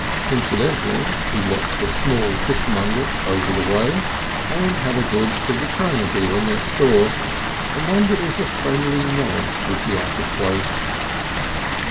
Incidentally he watched the small fishmonger over the way, and had a glimpse of the china dealer next door, and wondered if a friendly nod would be out of place.